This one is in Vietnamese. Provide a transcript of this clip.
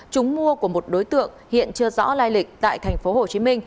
chúng mua của một đối tượng hiện chưa rõ lai lịch tại tp hcm